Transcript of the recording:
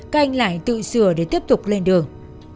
các anh lại tự sửa để tiếp tục lên đường